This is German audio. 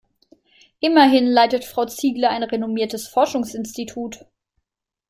Immerhin leitet Frau Ziegler ein renommiertes Forschungsinstitut.